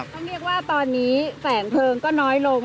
ต้องเรียกว่าตอนนี้แสงเพลิงก็น้อยลง